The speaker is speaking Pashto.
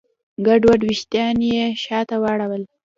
ګډوډ شوي وېښتان يې شاته واړول.